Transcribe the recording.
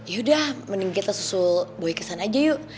yaudah mending kita susul boy kesana aja yuk